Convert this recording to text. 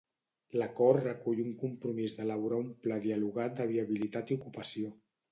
L'acord recull un compromís d'elaborar un pla dialogat de viabilitat i ocupació.